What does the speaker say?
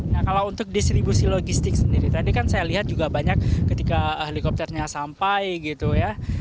nah kalau untuk distribusi logistik sendiri tadi kan saya lihat juga banyak ketika helikopternya sampai gitu ya